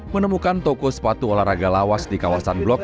menemukan toko sepatu olahraga lawas di kawasan blok